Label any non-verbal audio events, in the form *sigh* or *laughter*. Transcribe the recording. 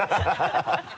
ハハハ *laughs*